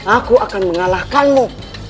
aku akan mengalahkanmu